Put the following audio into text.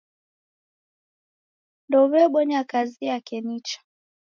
Ndeuw'ebonya kazi yake nicha.